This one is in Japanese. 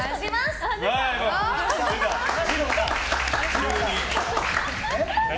急に。